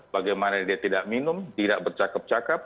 bagaimana dia tidak minum tidak bercakap cakap